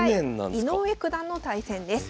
井上九段の対戦です。